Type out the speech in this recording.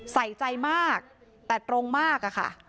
ใส่ใจมากแต่ตรงมากอะค่ะ